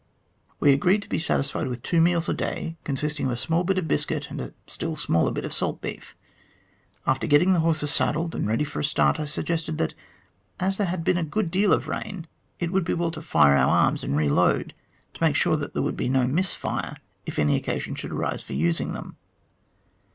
"We agreed to be satisfied with two meals a day, consisting of a small bit of biscuit and a still smaller bit of salt beef. After getting the horses saddled and ready for a start, I suggested that, as there had been a good deal of rain, it would be well to fire off our arms and reload, to make sure that there would be no miss fire if any occasion should arise for using them.